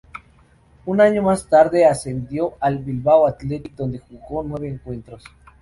Un año más tarde ascendió al Bilbao Athletic, donde jugó nueve encuentros.